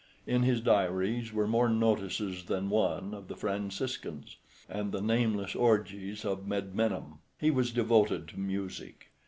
In his diaries were more notices than one of the "Franciscans" and the nameless orgies of Medmenham. He was devoted to music.